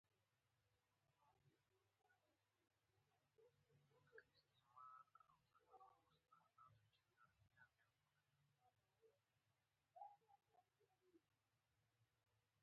دریشي د نظرونو تمرکز زیاتوي.